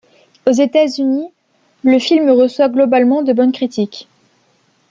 Aux États-Unis, le film reçoit globalement de bonnes critiques.